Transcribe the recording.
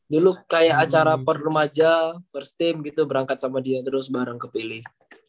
dulu kayak acara per remaja per steam gitu berangkat sama dia terus bareng ke pilih